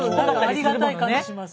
ありがたい感じします。